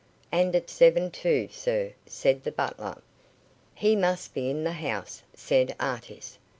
"And at seven too, sir," said the butler. "He must be in the house," said Artis.